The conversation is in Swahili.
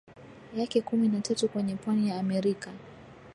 yake kumi na tatu kwenye pwani ya Amerika